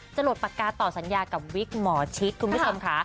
หลดปากกาต่อสัญญากับวิกหมอชิดคุณผู้ชมค่ะ